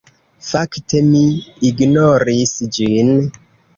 Fakte mi ignoris ĝin.